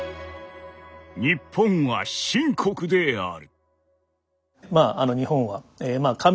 「日本は神国である」。